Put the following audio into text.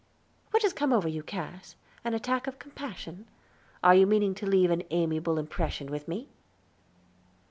"What has come over you, Cass? An attack of compassion? Are you meaning to leave an amiable impression with me?"